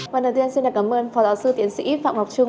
phó giáo sư tiến sĩ phạm ngọc trung chuyên gia văn hóa